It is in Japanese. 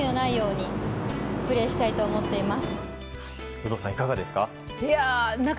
有働さん、いかがですか？